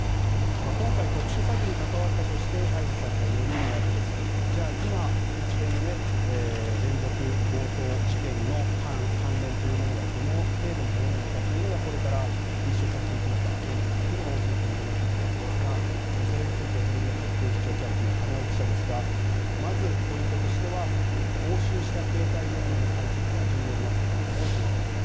今回、特殊詐欺に関わったとして逮捕された４人なわけですが今、一連の連続強盗事件の関連というものはどの程度のものなのかがこれから立証されていくかどうかが大きなポイントとなっていくわけですがそれについてテレビ朝日警視庁キャップの金井記者ですがまず、ポイントとしては押収した携帯電話の解析が重要になってくるだろうということです。